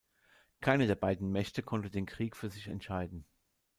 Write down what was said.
Keine der beiden Mächte konnte den Krieg für sich entscheiden.